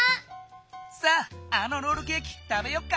さああのロールケーキ食べよっか。